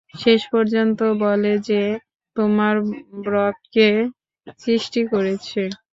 শেষ পর্যন্ত বলে যে, তোমার রবকে কে সৃষ্টি করেছে?